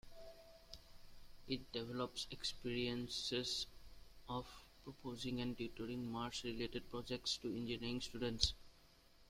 It develops experiences of proposing and tutoring Mars related projects to engineering students.